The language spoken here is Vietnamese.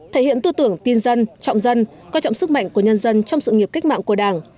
thể hiện tư tưởng tin dân trọng dân quan trọng sức mạnh của nhân dân trong sự nghiệp cách mạng của đảng